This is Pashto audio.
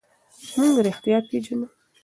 موږ رښتیا پېژنو.